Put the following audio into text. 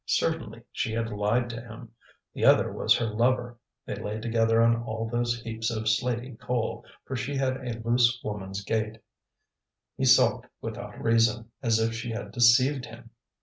Certainly she had lied to him: the other was her lover, they lay together on all those heaps of slaty coal, for she had a loose woman's gait. He sulked without reason, as if she had deceived him.